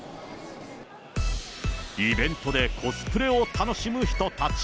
イベントでコスプレを楽しむ人たち。